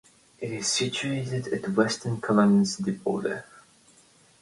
It is situated at the western Cologne city border.